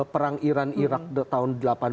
perang iran irak tahun